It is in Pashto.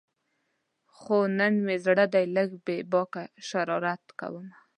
خو نن مې زړه دی لږ بې باکه شرارت کومه